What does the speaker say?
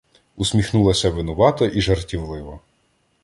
Усміхнулася винувато і жартівливо.